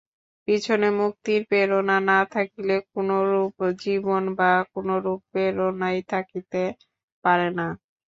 পিছনে মুক্তির প্রেরণা না থাকিলে কোনরূপ জীবন বা কোনরূপ প্রেরণাই থাকিতে পারে না।